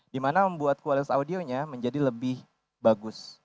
dimana membuat kualitas audionya menjadi lebih bagus